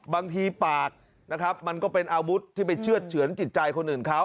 บางทีปากนะครับมันก็เป็นอาวุธที่ไปเชื่อดเฉือนจิตใจคนอื่นเขา